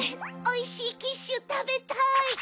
おいしいキッシュたべたい！